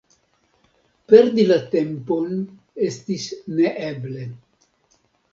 Perdi la tempon estis neeble.